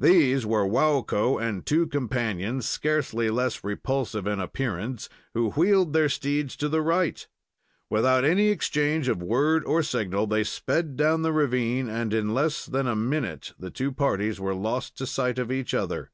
These were Waukko and two companions scarcely less repulsive in appearance, who wheeled their steeds to the right. Without any exchange of word or signal, they sped down the ravine and in less than a minute the two parties were lost to sight of each other.